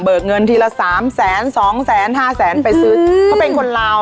เงินทีละสามแสนสองแสนห้าแสนไปซื้อเขาเป็นคนลาว